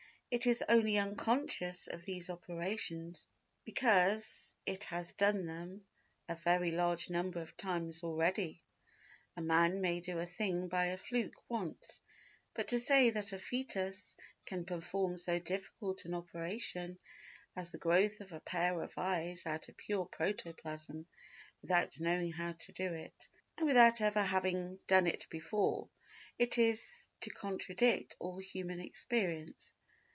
. It is only unconscious of these operations because it has done them a very large number of times already. A man may do a thing by a fluke once, but to say that a foetus can perform so difficult an operation as the growth of a pair of eyes out of pure protoplasm without knowing how to do it, and without ever having done it before, is to contradict all human experience.